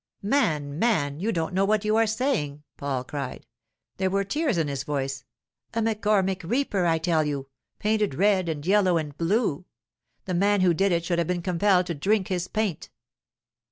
'Man! Man! You don't know what you are saying!' Paul cried. There were tears in his voice. 'A McCormick reaper, I tell you, painted red and yellow and blue—the man who did it should have been compelled to drink his paint.